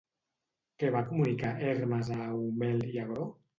Què va comunicar Hermes a Eumel i Agró?